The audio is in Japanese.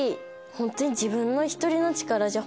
本当に自分一人の力じゃ